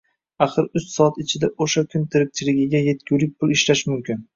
Axir uch soat ichida o'sha kun tirikchiligiga yetgulik pul ishlash mumknn.